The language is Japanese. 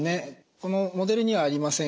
このモデルにはありません